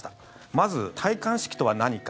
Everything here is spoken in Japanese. まず、戴冠式とは何か。